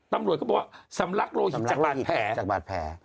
ตำรวจเขาบอกว่าสำรักโรหิตจากบาดแผล